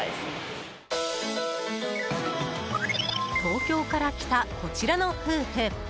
東京から来た、こちらの夫婦。